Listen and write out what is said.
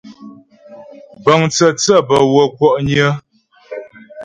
Bəŋ tsə̂tsě bə́ wə́ kwɔ'nyə.